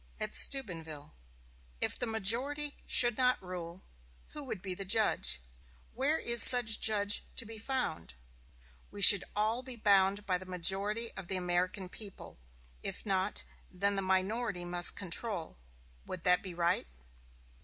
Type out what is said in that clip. At Steubenville: "If the majority should not rule, who would be the judge? Where is such a judge to be found? We should all be bound by the majority of the American people if not, then the minority must control. Would that be right?"